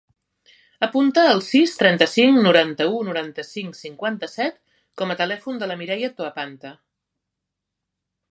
Apunta el sis, trenta-cinc, noranta-u, noranta-cinc, cinquanta-set com a telèfon de la Mireia Toapanta.